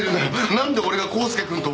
なんで俺が康介くんと？